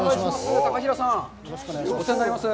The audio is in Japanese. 高平さん、お世話になります。